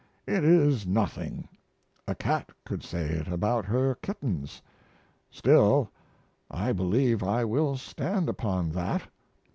It is nothing; a cat could say it about her kittens. Still, I believe I will stand upon that.